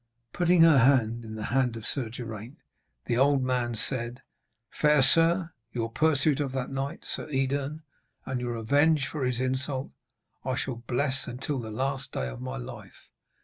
Putting her hand in the hand of Sir Geraint, the old man said: 'Fair sir, your pursuit of that knight, Sir Edern, and your revenge for his insult, I shall bless until the last day of my life.